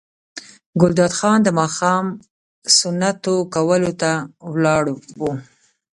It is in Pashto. ګلداد خان د ماښام سنتو کولو ته ولاړ و.